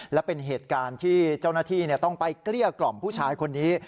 และเป็นเหตุการณ์ที่เจ้าหน้าที่ต้องไปเกลี้ยกล่อมผู้ชายคนนี้